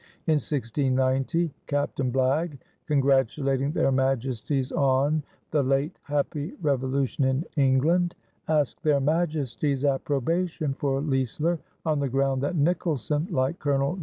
In 1690, Captain Blagge, congratulating their Majesties on "the late Happy Revolution in England" asked their Majesties' approbation for Leisler on the ground that "Nicholson, like Col.